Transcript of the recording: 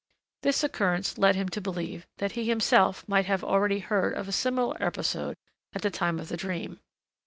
This occurrence led him to believe that he himself might have already heard of a similar episode at the time of the dream.